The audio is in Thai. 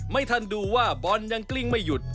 ไม่ทันดูว่าบอลยังกลิ้งไม่หยุด